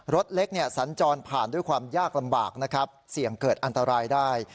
รถเล็กสัญจรผ่านด้วยความยากลำบากนะครับเสี่ยงเกิดอันตรายได้